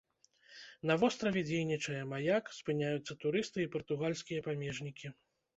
На востраве дзейнічае маяк, спыняюцца турысты і партугальскія памежнікі.